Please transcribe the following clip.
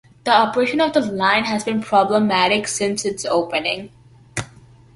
The operation of the line has been problematic since its opening.